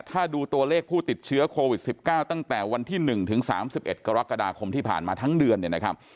ถ้าดูตัวเลขผู้ติดเชื้อโควิด๑๙ตั้งแต่วันที่๑ถึง๓๑กรกฎาคมที่ผ่านมาทั้งเดือนเนี่ยนะครับ